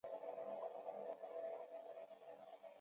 爱鹰山是日本静冈县的一座死火山。